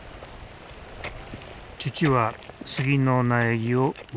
父は杉の苗木を植える。